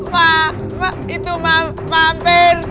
mak itu mampir